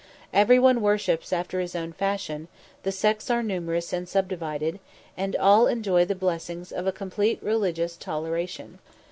Every one worships after his own fashion; the sects are numerous and subdivided; and all enjoy the blessings of a complete religious toleration.